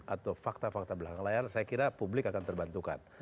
atau fakta fakta belakang layar saya kira publik akan terbantukan